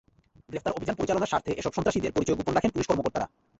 গ্রেপ্তার অভিযান পরিচালনার স্বার্থে এসব সন্ত্রাসীদের পরিচয় গোপন রাখেন পুলিশ কর্মকর্তা।